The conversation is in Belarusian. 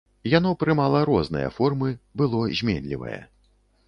Яно прымала розныя формы, было зменлівае.